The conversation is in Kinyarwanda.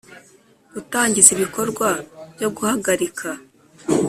Gutangiza ibikorwa byo guhagarika